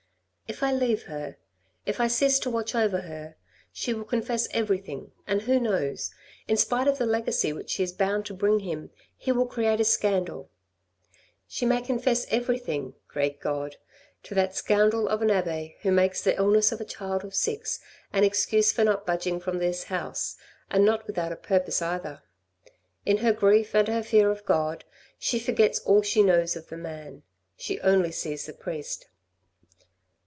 " If I leave her, if I cease to watch over her, she will confess everything, and who knows, in spite of the legacy which she is bound to bring him, he will create a scandal. She may confess everything (great God) to that scoundrel of an abbe who makes the illness of a child of six an excuse for not budging from this house, and not without a purpose either. In her grief and her fear of God, she forgets all she knows of the man ; she only sees the priest."